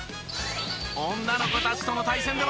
女の子たちとの対戦では。